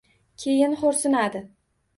Keyin xo‘rsinadi.